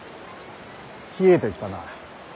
冷えてきたな。